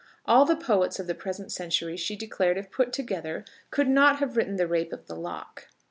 All the poets of the present century, she declared, if put together, could not have written the Rape of the Lock.